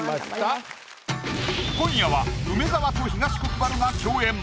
今夜は梅沢と東国原が共演。